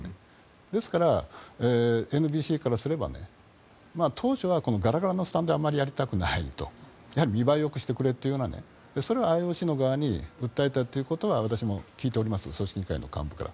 ですからＮＢＣからすれば当初はガラガラのスタンドであまりやりたくないから見栄えをよくしてくれというそれをＩＯＣの側に訴えたことは私も聞いております組織委員会の幹部から。